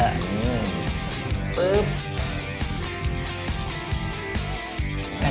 โหไอ้กาลเลียงมิ้วนี่สิ